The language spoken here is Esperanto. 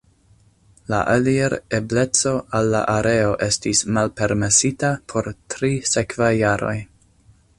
La alir-ebleco al la areo estis malpermesita por tri sekvaj jaroj.